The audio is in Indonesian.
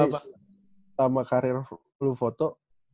ini pertama karir lu foto